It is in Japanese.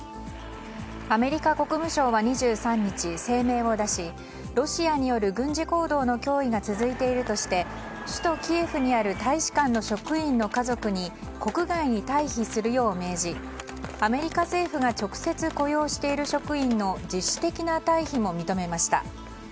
アメリカ国務省は２３日、声明を出しロシアによる軍事行動の脅威が続いているとして首都キエフにある大使館の職員の家族に国外に退避するよう命じアメリカ政府が直接雇用している職員の自主的な退避も認めました。